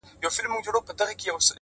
دا کتاب ختم سو نور ـ یو بل کتاب راکه ـ